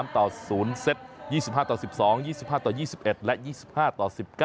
ต่อ๐เซต๒๕ต่อ๑๒๒๕ต่อ๒๑และ๒๕ต่อ๑๙